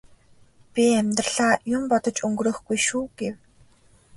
би амьдралаа юм бодож өнгөрөөхгүй шүү гэв.